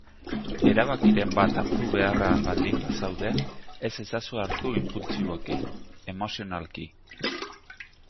Erabakiren bat hartu beharrean baldin bazaude, ez ezazu hartu inpultsiboki, emozionalki.